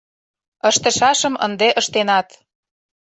Ыштышашым ынде ыштенат.